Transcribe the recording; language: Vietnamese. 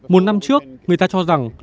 một năm trước người ta cho rằng